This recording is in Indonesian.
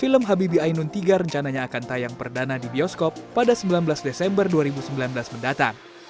film habibi ainun tiga rencananya akan tayang perdana di bioskop pada sembilan belas desember dua ribu sembilan belas mendatang